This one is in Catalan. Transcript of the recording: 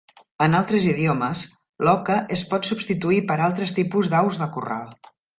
En altres idiomes, l'"oca" es pot substituir per altres tipus d'aus de corral.